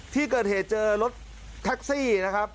ที่เกิดเหตุเจอรถแท็กซี่นะครับ